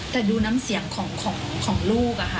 แต่ดูน้ำเสียงของลูกอะค่ะ